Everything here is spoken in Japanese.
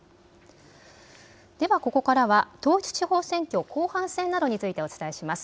ではここからは統一地方選挙後半戦などについてお伝えします。